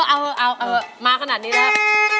อ้าวเอามาแค่นี้แล้ว